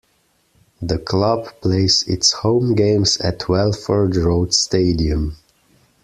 The club plays its home games at Welford Road Stadium.